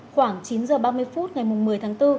khoảng chín h ba mươi phút ngày một mươi tháng bốn